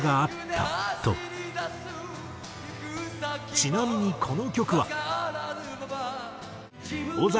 ちなみにこの曲は。